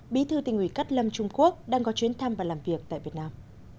bí thư tình ủy cắt lâm trung quốc đang có chuyến thăm và làm việc tại việt nam